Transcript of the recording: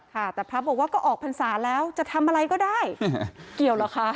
ค่ะแต่พระบอกว่าก็ออกพรรษาแล้วจะทำอะไรก็ได้เกี่ยวเหรอคะ